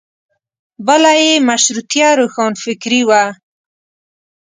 بله یې مشروطیه روښانفکري وه.